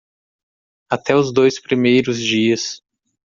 Até os dois primeiros dias